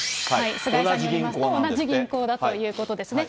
菅井さんによりますと同じ銀行だということですね。